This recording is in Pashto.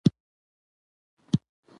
چي سبا او بله ورځ اوبه وچیږي